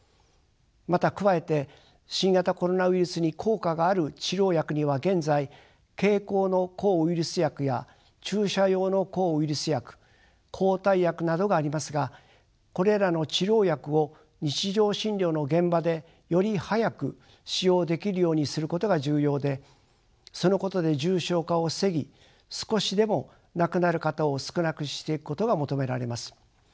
また加えて新型コロナウイルスに効果がある治療薬には現在経口の抗ウイルス薬や注射用の抗ウイルス薬抗体薬などがありますがこれらの治療薬を日常診療の現場でより早く使用できるようにすることが重要でそのことで重症化を防ぎ少しでも亡くなる方を少なくしていくことが求められます。